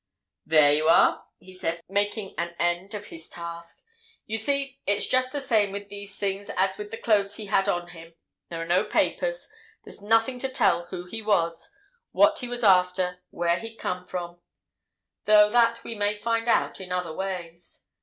"There you are!" he said, making an end of his task. "You see, it's just the same with these things as with the clothes he had on him. There are no papers—there's nothing to tell who he was, what he was after, where he'd come from—though that we may find out in other ways.